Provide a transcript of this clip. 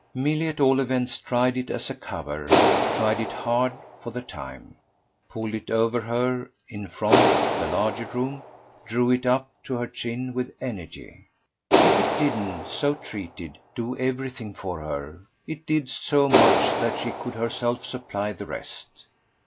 Milly at all events tried it as a cover, tried it hard, for the time; pulled it over her, in the front, the larger room, drew it up to her chin with energy. If it didn't, so treated, do everything for her, it did so much that she could herself supply the rest.